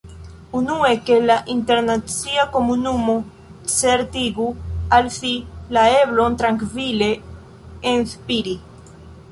Unue, ke la internacia komunumo certigu al si la eblon trankvile “enspiri.